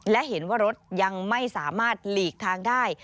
และเห็นว่ารถยังไม่สามารถหลีกทางได้